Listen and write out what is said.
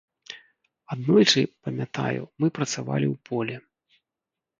Аднойчы, памятаю, мы працавалі ў полі.